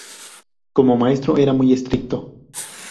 Como maestro era muy estricto.